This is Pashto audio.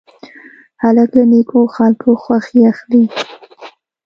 هلک له نیکو خلکو خوښي اخلي.